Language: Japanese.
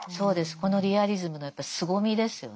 このリアリズムのやっぱりすごみですよね。